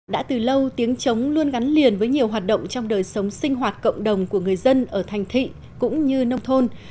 đã từ lâu tiếng trống luôn gắn liền với nhiều hoạt động trong đời sống sinh hoạt cộng đồng của người dân ở thành thị cũng như nông thôn